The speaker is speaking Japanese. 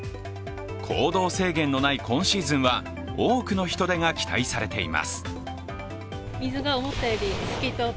行動制限のない今シーズンは多くの人出が期待されています。